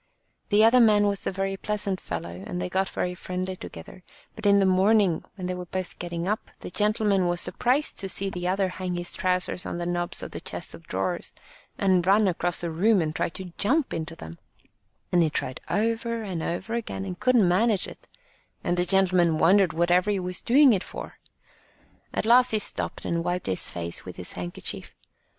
The other man was a very pleasant fellow, and they got very friendly together; but in the morning, when they were both getting up, the gentleman was surprised to see the other hang his trousers on the knobs of the chest of drawers and run across the room and try to jump into them, and he tried over and over again, and couldn't manage it; and the gentleman wondered whatever he was doing it for. At last he stopped and wiped his face with his handkerchief.